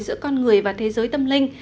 giữa con người và thế giới tâm linh